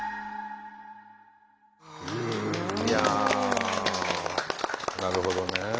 いやあなるほどね。